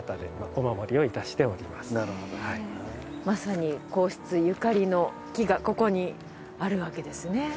まさに皇室ゆかりの木がここにあるわけですね。